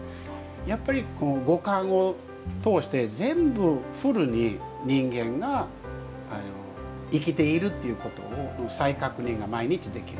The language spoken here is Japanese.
やっぱり五感を通して全部フルに人間が生きているということの再確認が毎日できる。